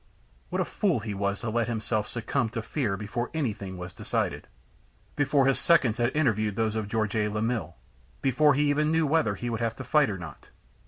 What a fool he was to let himself succumb to fear before anything was decided before his seconds had interviewed those of Georges Lamil, before he even knew whether he would have to fight or not!